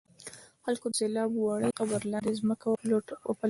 خلکو د سیلاب وړي قبر لاندې ځمکه وپلټله.